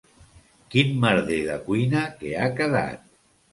Quin merder de cuina que ha quedat.